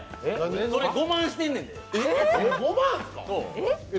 それ、５万してんねんで。